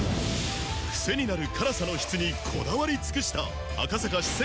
クセになる辛さの質にこだわり尽くした赤坂四川